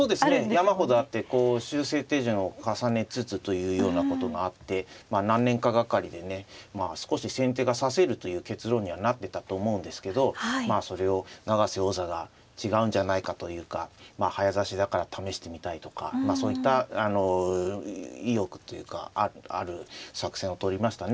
山ほどあって修正手順を重ねつつというようなことがあってまあ何年か掛かりでね少し先手が指せるという結論にはなってたと思うんですけどまあそれを永瀬王座が違うんじゃないかというか早指しだから試してみたいとかそういった意欲というかある作戦をとりましたね。